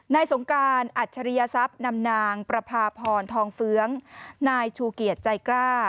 สงการอัจฉริยทรัพย์นำนางประพาพรทองเฟื้องนายชูเกียจใจกล้า